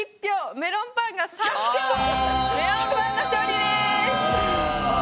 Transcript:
メロンパンの勝利です！